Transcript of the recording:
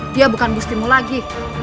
dia bukan gustimu lagi